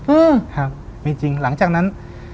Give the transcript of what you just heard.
อืมครับมีจริงหลังจากนั้น